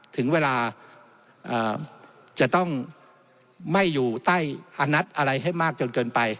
ถึงเวลาจะต้องไม่อยู่ใต้อนัดอะไรให้มากจนเกินไป